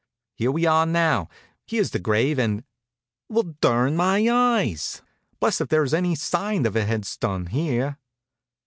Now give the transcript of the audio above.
Here we are now! Here's the grave and well, durn my eyes! Blessed if there's any sign of a headstun here!"